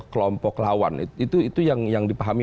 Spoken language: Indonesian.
kelompok lawan itu yang dipahami